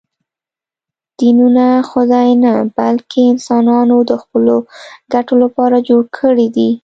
دینونه خدای نه، بلکې انسانانو د خپلو ګټو لپاره جوړ کړي دي